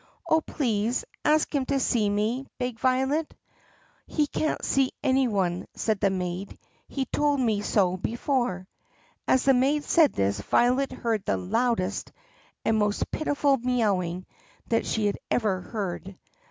"Oh, please, ask him to see me!" begged Violet. "He can't see any one," said the maid. "He told me so be fore." As the maid said this, Violet heard the loudest and most pitiful mee owing that she had ever heard.